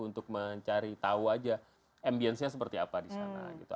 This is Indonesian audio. untuk mencari tahu aja ambience nya seperti apa di sana gitu